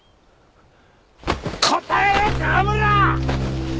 答えろ沢村！